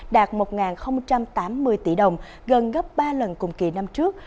đạt một tám mươi tỷ đồng gần gấp ba lần cùng kỳ năm trước